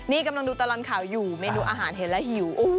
นี่กำลังดูตลอดข่าวอยู่เมนูอาหารเห็นแล้วหิว